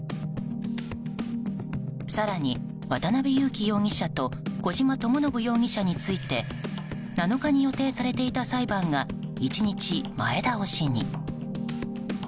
更に渡邉優樹容疑者と小島智信容疑者について７日に予定されていた裁判が１日、前倒しに。